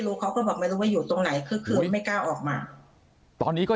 เขาก็บอกไม่รู้ว่าอยู่ตรงไหนคือขุยไม่กล้าออกมาตอนนี้ก็